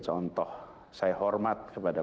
contoh saya hormat kepada